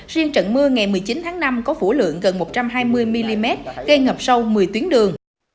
riêng trận mưa ngày một mươi chín tháng năm có phủ lượng gần một trăm hai mươi mm gây ngập sâu một mươi tuyến đường